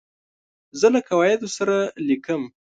زه له قواعدو سره لیکم.